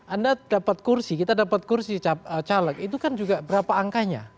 anda dapat kursi kita dapat kursi caleg itu kan juga berapa angkanya